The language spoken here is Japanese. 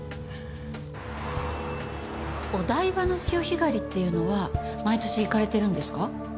お台場の潮干狩りっていうのは毎年行かれてるんですか？